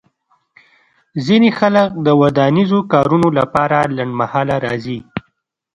ځینې خلک د ودانیزو کارونو لپاره لنډمهاله راځي